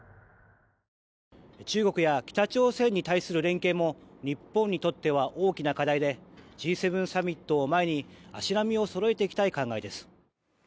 中国や北朝鮮に対する連携も日本にとっては大きな課題でＧ７サミットを前に足並みをそろえていきたい考えです。